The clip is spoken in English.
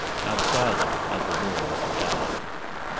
Outside it, at the door, is the Gallows.